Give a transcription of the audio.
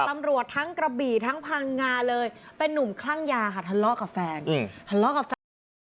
ตำรวจทั้งกระบี่ทั้งพังงาเลยเป็นนุ่มคลั่งยาค่ะทะเลาะกับแฟนทะเลาะกับแฟน